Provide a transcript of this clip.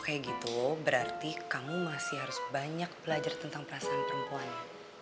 kayak gitu berarti kamu masih harus banyak belajar tentang perasaan perempuannya